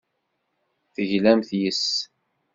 Teglamt yes-s.